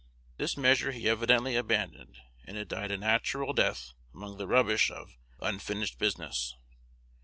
This measure he evidently abandoned, and it died a natural death among the rubbish of "unfinished business."